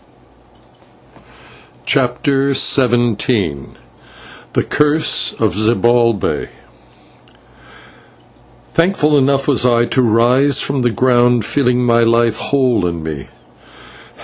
CHAPTER XVII THE CURSE OF ZIBALBAY Thankful enough was I to rise from the ground feeling my life whole in me.